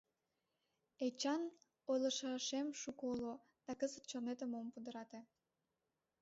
Эчан, ойлышашем шуко уло, да кызыт чонетым ом пудырате...